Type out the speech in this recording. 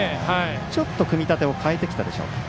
ちょっと組み立てを変えてきたでしょうか。